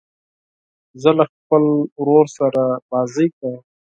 زه له خپل ورور سره لوبې کوم.